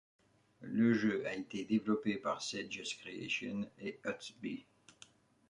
Le jeu a été développé par Sage's Creation et Hot-B.